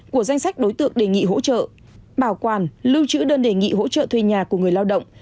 của danh sách đối tượng đề nghị hỗ trợ bảo quản lưu trữ đơn đề nghị hỗ trợ thuê nhà của người lao động